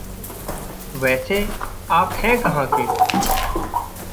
वैसे आप हैं कहाँ के?